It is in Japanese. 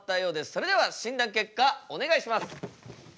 それでは診断結果お願いします。